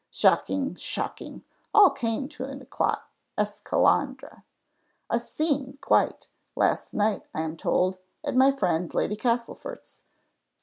"Shocking! shocking! all came to an éclat esclandre; a scene quite, last night, I am told, at my friend Lady Castlefort's.